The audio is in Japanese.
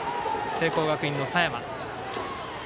聖光学院の佐山。